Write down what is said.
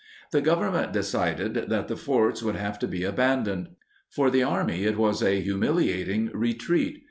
The Government decided that the forts would have to be abandoned. For the Army it was a humiliating retreat.